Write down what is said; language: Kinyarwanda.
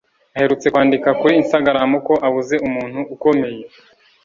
aherutse kwandika kuri Instagram ko ‘abuze umuntu ukomeye